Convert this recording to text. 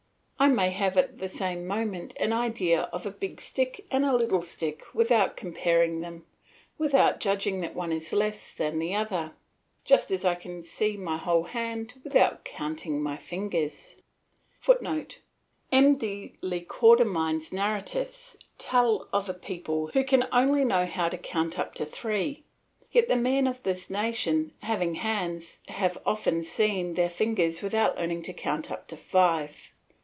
I may have at the same moment an idea of a big stick and a little stick without comparing them, without judging that one is less than the other, just as I can see my whole hand without counting my fingers. [Footnote: M. de le Cordamines' narratives tell of a people who only know how to count up to three. Yet the men of this nation, having hands, have often seen their fingers without learning to count up to five.